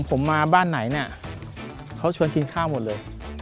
ผมมาบ้านไหนเนี่ยเขาชวนกินข้าวหมดเลย